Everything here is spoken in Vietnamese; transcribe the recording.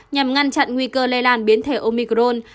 nhằm ngăn chặn nguy cơ lây lan biến thể omicron